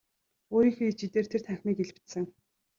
Өөрийнхөө ид шидээр тэр танхимыг илбэдсэн.